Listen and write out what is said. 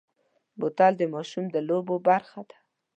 بوتل د ماشوم د لوبو برخه ده.